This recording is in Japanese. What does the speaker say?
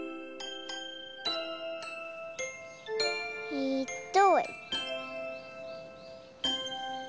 えっと。